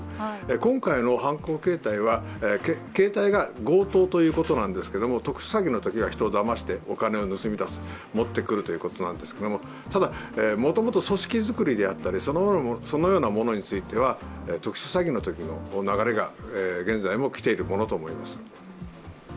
今回の犯行形態は、形態が強盗ということなんですけど特殊詐欺のときは人をだましてお金を持ってくるということなんですけれどもただ、もともと組織作りであったりそのようなものについては特殊詐欺のときの流れが現在もきているものと思われます。